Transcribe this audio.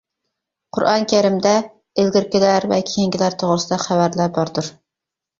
قۇرئان كەرىمدە ئىلگىرىكىلەر ۋە كېيىنكىلەر توغرىسىدا خەۋەرلەر باردۇر.